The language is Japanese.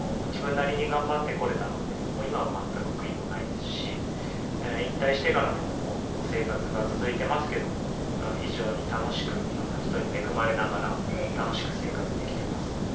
自分なりに頑張ってこれたので今は全く悔いもないですし引退してからの生活が続いてますけども非常に楽しく色んな人に恵まれながら楽しく生活できてます。